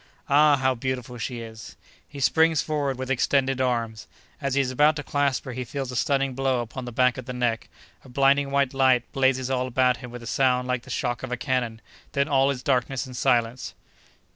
Ah, how beautiful she is! He springs forwards with extended arms. As he is about to clasp her he feels a stunning blow upon the back of the neck; a blinding white light blazes all about him with a sound like the shock of a cannon—then all is darkness and silence!